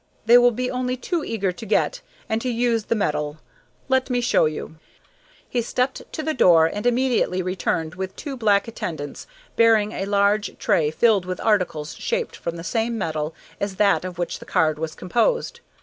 They will be only too eager to get and to use the metal. Let me show you." He stepped to the door and immediately returned with two black attendants bearing a large tray filled with articles shaped from the same metal as that of which the card was composed.